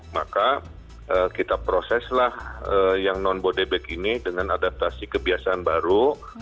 maka kita proseslah yang non bodebek ini dengan adaptasi kebiasaan baru